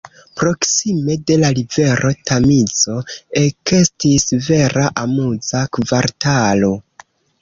Proksime de la rivero Tamizo ekestis vera amuza kvartalo.